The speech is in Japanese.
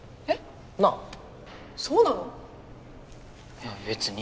いや別に。